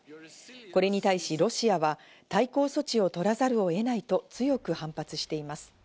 これに対しロシアは対抗措置を取らざるをえないと強く反発しています。